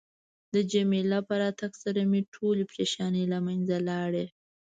د جميله په راتګ سره مې ټولې پریشانۍ له منځه لاړې.